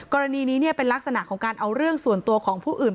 กรณีนี้เป็นลักษณะของการเอาเรื่องส่วนตัวของผู้อื่น